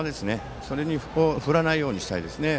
それを振らないようにしたいです。